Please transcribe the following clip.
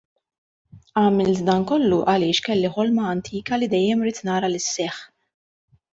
Għamilt dan kollu għaliex kelli ħolma antika li dejjem ridt nara li sseħħ.